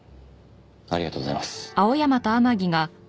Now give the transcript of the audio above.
ありがとうございます。